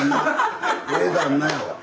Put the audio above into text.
ええ旦那やわ。